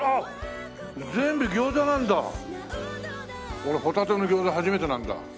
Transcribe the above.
俺ホタテの餃子初めてなんだ。